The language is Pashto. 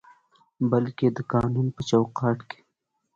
بلکې د قانون په چوکاټ کې